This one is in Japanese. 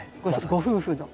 ご夫婦の。